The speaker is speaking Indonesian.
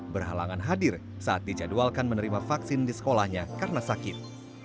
berhalangan hadir saat dijadwalkan menerima vaksin di sekolahnya karena sakit